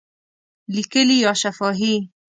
لیکلي یا شفاهی؟